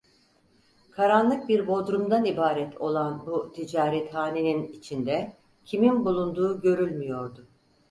Karanlık bir bodrumdan ibaret olan bu ticarethanenin içinde kimin bulunduğu görülmüyordu.